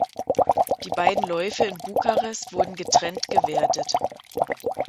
Die beiden Läufe in Bukarest wurden getrennt gewertet.